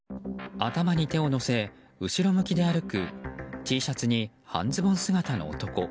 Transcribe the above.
頭に手を乗せ後ろ向きで歩くＴシャツに半ズボン姿の男。